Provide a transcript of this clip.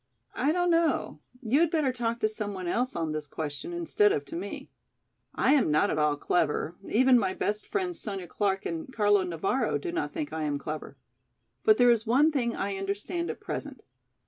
"I don't know, you had better talk to some one else on this question instead of to me. I am not at all clever, even my best friends, Sonya Clark and Carlo Navara, do not think I am clever. But there is one thing I understand at present.